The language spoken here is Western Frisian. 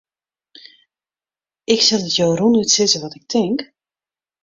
Ik sil it jo rûnút sizze wat ik tink.